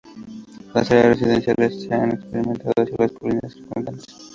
Las áreas residenciales se han ido expandiendo hacia las colinas circundantes.